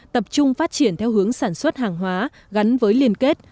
tập trung phát triển theo hướng sản xuất hàng hóa gắn với liên kết